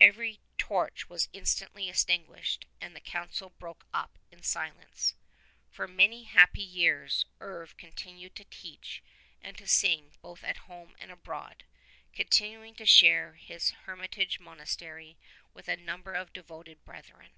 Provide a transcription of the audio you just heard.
Every torch was instantly extinguished, and the Council broke up in silence. For many happy years Herve continued to teach and to sing both at home and abroad, continuing to share his her mitage monastery with a number of devoted brethren.